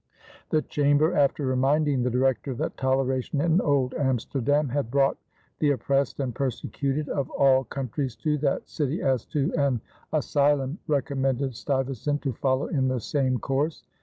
The Chamber, after reminding the Director that toleration in old Amsterdam had brought the oppressed and persecuted of all countries to that city as to an asylum, recommended Stuyvesant to follow in the same course.